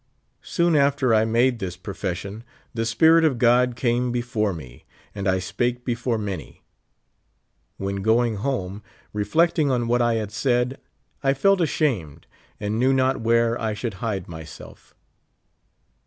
Soon after I made this profession the Spirit of God came before me, and I spake before many. AVlien going home, reflecting on what I had said, I felt ashamed, and knew not where I should hide myself.